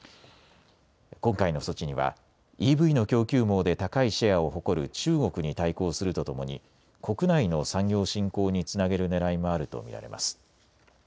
今回の措置にはＥＶの供給網で高いシェアを誇る中国に対抗するとともに国内の産業振興につなげるねらいもあると見られます。